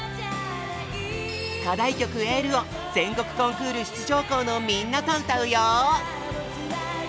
課題曲「ＹＥＬＬ」を全国コンクール出場校のみんなと歌うよ。